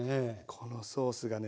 このソースがね